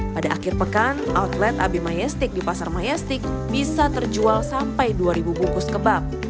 pada akhir pekan outlet ab mayastik di pasar mayastik bisa terjual sampai dua ribu bungkus kebab